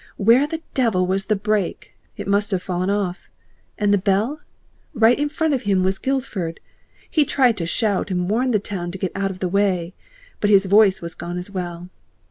Where the devil was the brake? It must have fallen off. And the bell? Right in front of him was Guildford. He tried to shout and warn the town to get out of the way, but his voice was gone as well.